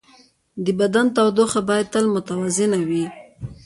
د بدن تودوخه باید تل متوازنه وي.